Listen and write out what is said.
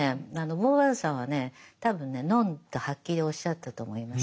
ボーヴォワールさんはね多分ねノンとはっきりおっしゃったと思います。